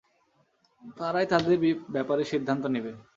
তারাই তাদের ব্যাপারে সিদ্ধান্ত নিবে।